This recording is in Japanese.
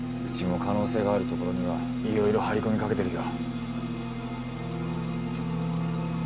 うちも可能性があるところにはいろいろ張り込みかけてるよ。